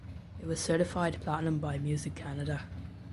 It was certified Platinum by Music Canada.